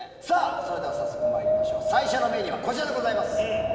それでは早速まいりましょう最初のメニューはこちらです。